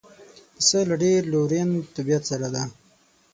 پسه له ډېر لورین طبیعت سره دی.